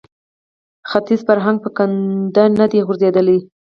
ختیز فرهنګ په کنده نه دی غورځېدلی